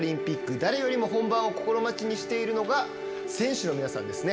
誰よりも本番を心待ちにしているのが選手の皆さんですね。